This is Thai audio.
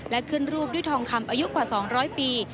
และขึ้นรูปด้วยทองคำอายุกว่า๒๐๐ปี